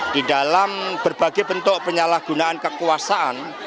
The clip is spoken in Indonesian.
di dalam berbagai bentuk penyalahgunaan kekuasaan